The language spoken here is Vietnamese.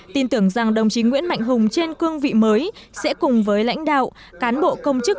tin tưởng rằng đồng chí nguyễn mạnh hùng trên cương vị mới sẽ cùng với lãnh đạo cán bộ công chức